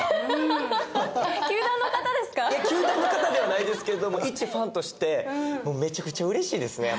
球団の方ではないですけど一ファンとしてめちゃくちゃうれしいですねやっぱり。